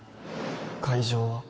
会場は？